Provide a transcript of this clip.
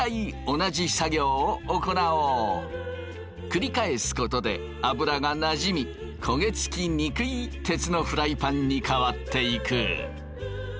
繰り返すことで油がなじみ焦げつきにくい鉄のフライパンに変わっていく。